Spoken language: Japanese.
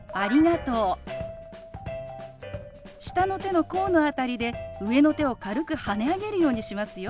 下の手の甲の辺りで上の手を軽くはね上げるようにしますよ。